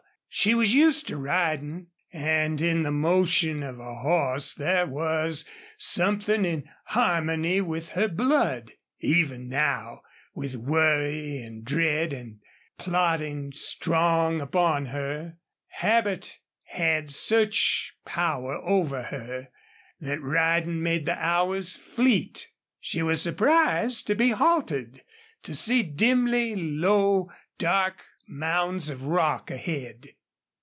She was used to riding, and in the motion of a horse there was something in harmony with her blood. Even now, with worry and dread and plotting strong upon her, habit had such power over her that riding made the hours fleet. She was surprised to be halted, to see dimly low, dark mounds of rock ahead.